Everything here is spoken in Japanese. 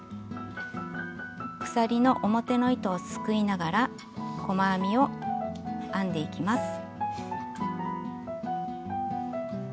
鎖の表の糸をすくいながら細編みを編んでいきます。